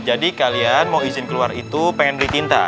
jadi kalian mau izin keluar itu pengen beli tinta